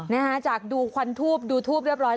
นะฮะจากดูควันทูบดูทูบเรียบร้อย